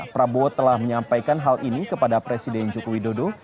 prabowo telah menyampaikan hal ini kepada presiden joko widodo